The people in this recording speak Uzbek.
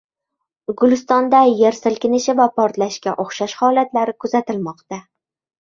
Gulistonda yer silkinishi va portlashga o‘xshash holatlar kuzatilmoqda